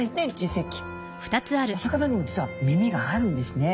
お魚にも実は耳があるんですね。